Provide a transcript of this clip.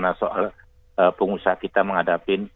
bagaimana soal pengusaha kita menghadapin